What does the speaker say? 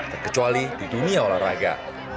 terkecuali di dunia olahraga